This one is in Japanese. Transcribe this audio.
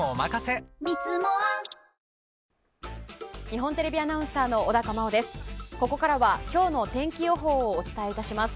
日本テレビアナウンサーの小高茉緒です。